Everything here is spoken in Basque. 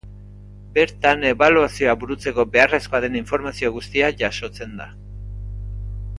Bertan ebaluazioa burutzeko beharrezkoa den informazio guztia jasotzen da.